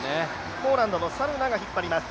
ポーランドのサルナが引っ張ります。